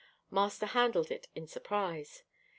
Master handled it in surprise.